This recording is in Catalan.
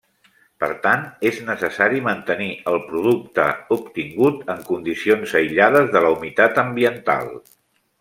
Per tant, és necessari mantenir el producte obtingut en condicions aïllades de la humitat ambiental.